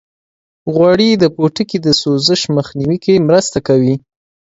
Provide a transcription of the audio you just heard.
غوړې د پوټکي د سوزش مخنیوي کې مرسته کوي.